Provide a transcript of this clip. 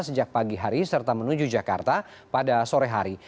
sejak pagi hari serta menuju jakarta pada sore hari